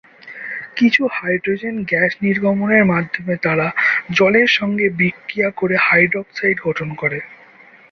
কিছু hydrogen gas নির্গমনের মাধ্যমে তারা জলের সঙ্গে বিক্রিয়া করে হাইড্রক্সাইড গঠন করে।